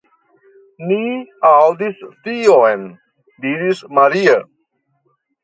Ni aŭdis tion, diris Maria.